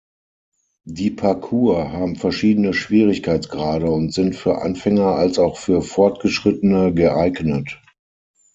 Die Parcours haben verschiedene Schwierigkeitsgrade und sind für Anfänger als auch für Fortgeschrittene geeignet.